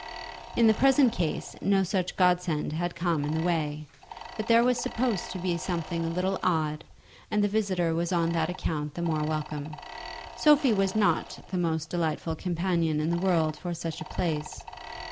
In the present case no such godsend had come in the way, but there was supposed to be a something a little odd, and the visitor was on that account the more welcome. Sophie was not the most delightful companion in the world for such a place.